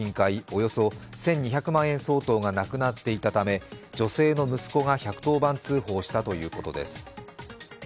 およそ１２００万円相当がなくなっていたため女性の息子が１１０番通報したということです。